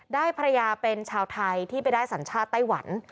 ภรรยาเป็นชาวไทยที่ไปได้สัญชาติไต้หวัน